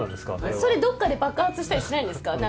それ、どっかで爆発したりしないんですか？